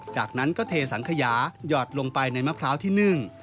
จากนั้นก็เทสังขยาหยอดลงไปในมะพร้าวที่นึ่ง